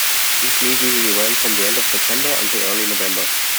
This meet usually ran from the end of September until early November.